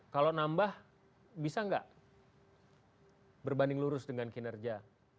kalau nambah bisa nggak berbanding lurus dengan kinerja